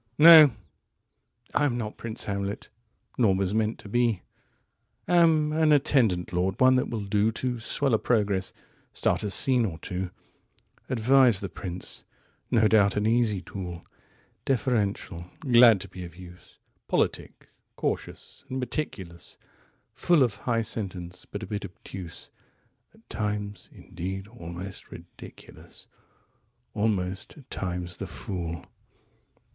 "111No! I am not Prince Hamlet, nor was meant to be;112Am an attendant lord, one that will do113To swell a progress, start a scene or two,114Advise the prince; no doubt, an easy tool,115Deferential, glad to be of use,116Politic, cautious, and meticulous;117Full of high sentence, but a bit obtuse;118At times, indeed, almost ridiculous 119Almost, at times, the Fool.